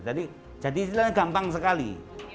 jadi jadi itu gampang sekali